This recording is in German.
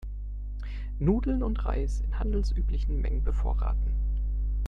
Nudeln und Reis in handelsüblichen Mengen bevorraten.